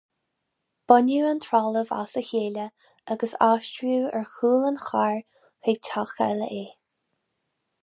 Baineadh an trealamh as a chéile agus aistríodh ar chúl an chairr chuig teach eile é.